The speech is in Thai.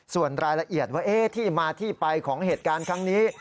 ส่วนรายละเอียดว่าที่มาที่ไปของเหตุการณ์ครั้งนี้